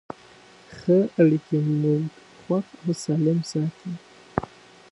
ښه اړیکې موږ خوښ او سالم ساتي.